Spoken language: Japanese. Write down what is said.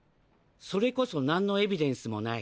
それこそ何のエビデンスも無い